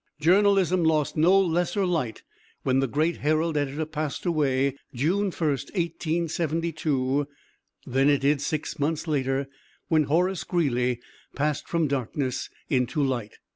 Journalism lost no lesser light when the great Herald editor passed away June 1st, 1872, than it did six months later when Horace Greeley passed from darkness into light.